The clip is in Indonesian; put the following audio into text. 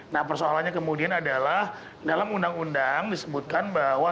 nah persoalannya kemudian adalah dalam undang undang disebutkan bahwa